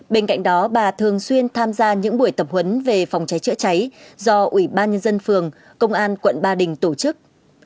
bên cạnh đó bà thường xuyên tham gia những buổi tập huấn về phòng cháy chữa cháy do ủy ban nhân dân phường công an quận ba đình tổ chức